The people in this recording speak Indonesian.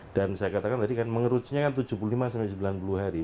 dan saya katakan tadi kan mengerucutnya kan tujuh puluh lima sampai sembilan puluh hari